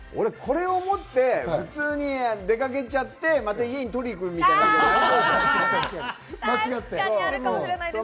俺、これをもって普通に出かけちゃって、また家に取りに行くみたいなことになりそう。